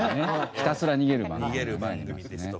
ひたすら逃げる番組もありますね。